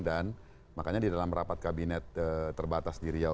dan makanya di dalam rapat kabinet terbatas di riau